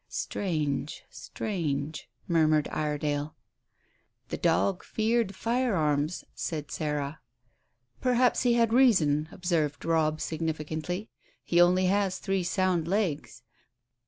"Strange, strange," murmured Iredale. "That dog feared firearms," said Sarah. "Perhaps he had reason," observed Robb significantly, "he only has three sound legs.